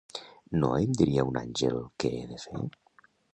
No em diria un àngel què he de fer?